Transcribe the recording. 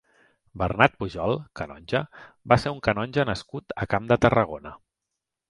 Bernat Pujol (canonge) va ser un canonge nascut a Camp de Tarragona.